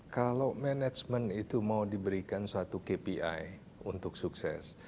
kalau management itu mau diberikan suatu kpi untuk sukses